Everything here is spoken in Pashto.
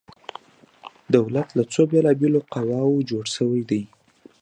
دولت له څو بیلا بیلو قواو جوړ شوی دی؟